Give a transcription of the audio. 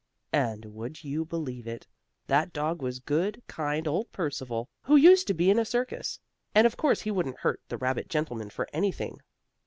And, would you believe it? that dog was good, kind, old Percival, who used to be in a circus. And of course he wouldn't hurt the rabbit gentleman for anything.